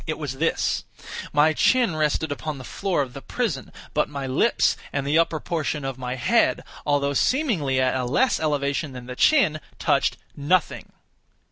It was this: my chin rested upon the floor of the prison, but my lips and the upper portion of my head, although seemingly at a less elevation than the chin, touched nothing.